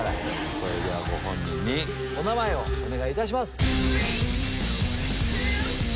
それではご本人にお名前をお願いいたします！